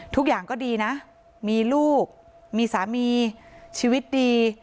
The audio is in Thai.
ทุกอย่างก็ดีนะมีลูกมีสามีชีวิตดี